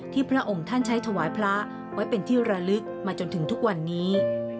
พระองค์ท่านใช้ถวายพระไว้เป็นที่ระลึกมาจนถึงทุกวันนี้